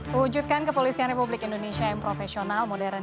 mewujudkan kepolisian republik indonesia yang profesional modern